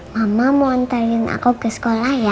mama mau ntarin aku ke sekolah ya